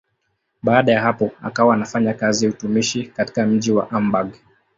Baada ya hapo akawa anafanya kazi ya utumishi katika mji wa Hamburg.